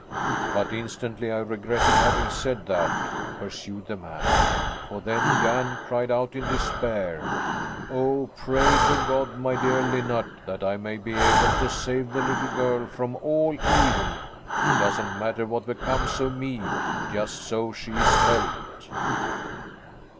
"But instantly I regretted having said that," pursued the man. "For then Jan cried out in despair: 'Oh, pray to God, my dear Linnart, that I may be able to save the little girl from all evil! It doesn't matter what becomes of me, just so she is helped.'"